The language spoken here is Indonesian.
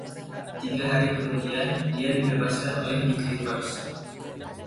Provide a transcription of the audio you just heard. Tiga hari kemudian, dia dibebaskan oleh the Clippers.